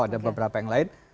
ada beberapa yang lain